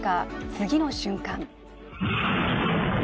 次の瞬間